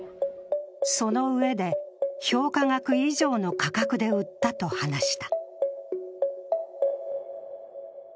そのうえで、評価額以上の価格で売ったと話した。